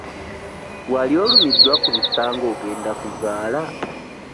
Wali olumiddwa ku bisa nga ogenda okuzaala?